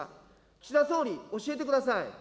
岸田総理、教えてください。